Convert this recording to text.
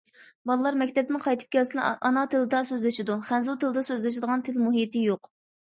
بالىلار مەكتەپتىن قايتىپ كەلسىلا ئانا تىلدا سۆزلىشىدۇ، خەنزۇ تىلىدا سۆزلىشىدىغان تىل مۇھىتى يوق.